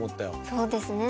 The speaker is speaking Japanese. そうですね。